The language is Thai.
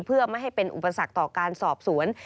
เพื่อไม่ให้เป็นอุปสรรคต่อการสอบสวน